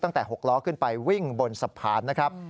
ตั้งแต่๖ล้อขึ้นไปวิ่งบนสะพานนะครับ